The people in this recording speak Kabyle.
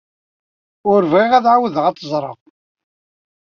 Ur bɣiɣ ad ɛawdeɣ ad tt-ẓreɣ.